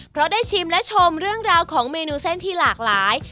เพราะได้ชิมและชมเรื่องราวของเมนูเส้นที่หลากหลาย